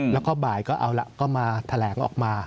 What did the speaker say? แล้วก็บ่ายก็เอาล่ะก็มาแถลงออกมา